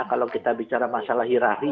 kalau kita bicara masalah hirari